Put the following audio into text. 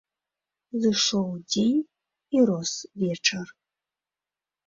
Зышоў дзень, і рос вечар.